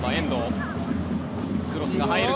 クロスが入る。